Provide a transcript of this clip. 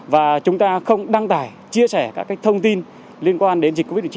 và chúng ta không đăng tải chia sẻ các thông tin liên quan đến dịch covid một mươi chín